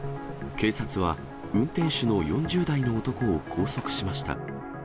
警察は、運転手の４０代の男を拘束しました。